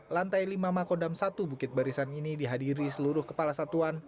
lantai lima makodam satu bukit barisan ini dihadiri seluruh kepala satuan